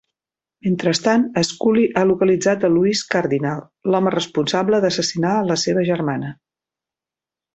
Mentrestant, Scully ha localitzat a Luis Cardinal, l'home responsable d'assassinar a la seva germana.